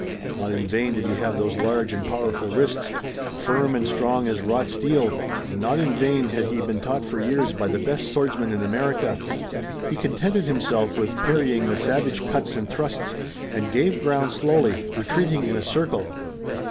Not in vain did he have those large and powerful wrists, firm and strong as wrought steel, and not in vain had he been taught for years by the best swordsman in America. He contented himself with parrying the savage cuts and thrusts, and gave ground slowly, retreating in a circle.